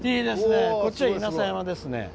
こっちは稲佐山ですね。